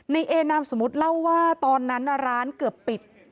ในเอนามสมมุติเล่าว่าตอนนั้นร้านเกือบปิด